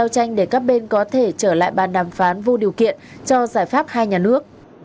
tranh để các bên có thể trở lại bàn đàm phán vô điều kiện cho giải pháp hai nhà nước